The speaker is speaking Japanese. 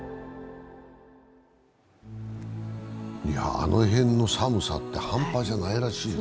あの辺の寒さってハンパじゃないらしいよ。